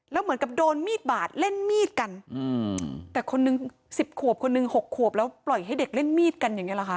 แล้วเหมือนกับโดนมีดบาดเล่นมีดกันแต่คนนึง๑๐ขวบคนหนึ่ง๖ขวบแล้วปล่อยให้เด็กเล่นมีดกันอย่างนี้หรอคะ